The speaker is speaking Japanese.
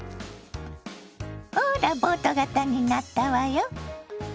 ほらボート型になったわよ。